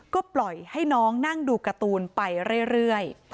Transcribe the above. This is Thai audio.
ก็ปล่อยให้น้องนั่งดูการ์ตูนไปเรื่อย